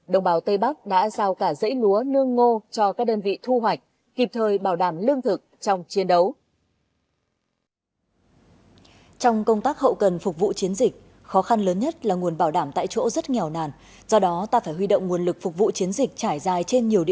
đồng bào tây bắc đã giao cả dãy lúa nương ngô cho các đơn vị thu hoạch kịp thời bảo đảm lương thực trong chiến đấu